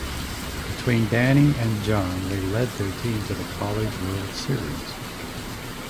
Between Danny and John they lead their team to the college World Series.